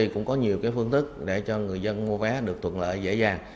với phương thức để cho người dân mua vé được thuận lợi dễ dàng